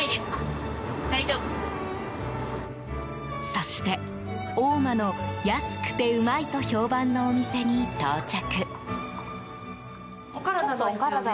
そして、大間の安くてうまいと評判のお店に到着。